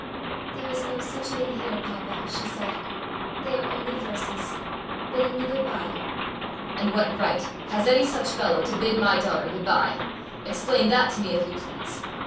"There is no such thing here, papa," she said. "They are only verses bidding me good bye." "And what right has any such fellow to bid my daughter good bye? Explain that to me, if you please.